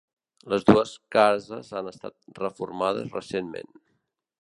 Les dues cases han estat reformades recentment.